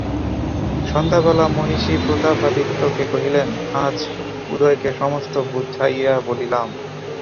সন্ধ্যাবেলা মহিষী প্রতাপাদিত্যকে কহিলেন, আজ উদয়কে সমস্ত বুঝাইয়া বলিলাম।